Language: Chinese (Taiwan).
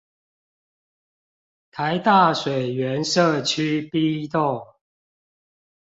臺大水源舍區 B 棟